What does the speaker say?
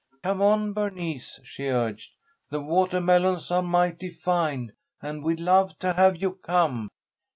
"Come on, Bernice," she urged. "The watahmelons are mighty fine, and we'd love to have you come."